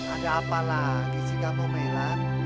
ada apa lagi si kamu mellan